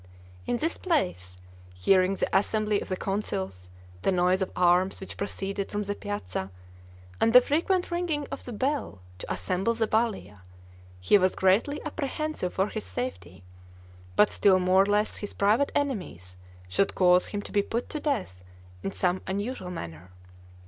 In this place, hearing the assembly of the Councils, the noise of arms which proceeded from the piazza, and the frequent ringing of the bell to assemble the Balia, he was greatly apprehensive for his safety, but still more less his private enemies should cause him to be put to death in some unusual manner.